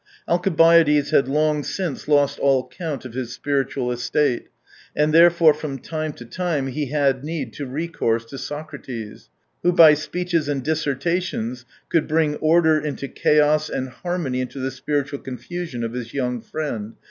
Alcibiades had long since lost all count of his spiritual estate, and therefore from time to time he had need to recourse to Socrates, who by speeches and dissertations could bring order into chaos and harmony into the spiritual con fusion of his young friend.